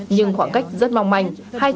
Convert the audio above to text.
nhưng khoảng cách rất mong manh